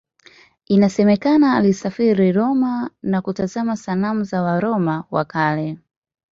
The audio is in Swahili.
Inasemekana alisafiri Roma na kutazama sanamu za Waroma wa Kale.